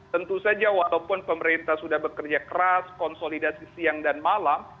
tentu saja walaupun pemerintah sudah bekerja keras konsolidasi siang dan malam